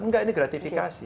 enggak ini gratifikasi